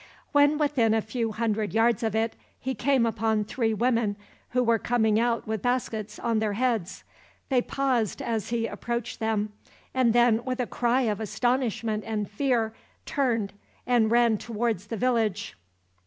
When within a few hundred yards of it, he came upon three women, who were coming out with baskets on their heads. They paused as he approached them, and then, with a cry of astonishment and fear, turned and ran towards the village.